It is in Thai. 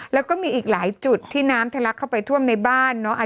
แล้วก็มีอีกหลายจุดที่น้ำทะลักเข้าไปท่วมในบ้านเนาะ